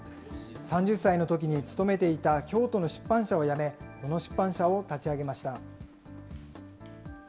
３０歳のときに勤めていた京都の出版社を辞め、この出版社を立ち上げました。